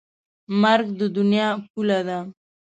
مرګ د دنیا پوله ده.